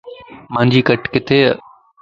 مانجي کٽ ڪٿي؟